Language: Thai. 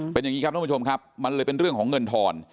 เป็นอย่างนี้ครับท่านผู้ชมครับมันเลยเป็นเรื่องของเงินทอน